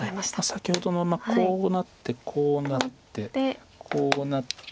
先ほどのこうなってこうなってこうなって。